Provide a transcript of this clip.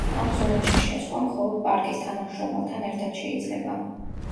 ამ ზონაში შესვლა, მხოლოდ პარკის თანამშრომელთან ერთად შეიძლება.